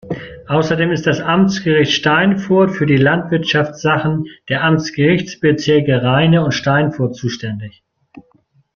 Außerdem ist das Amtsgericht Steinfurt für die Landwirtschaftssachen der Amtsgerichtsbezirke Rheine und Steinfurt zuständig.